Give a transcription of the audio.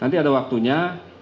nanti ada waktunya